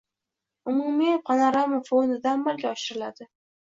umumiy panorama fonida amalga oshiriladi.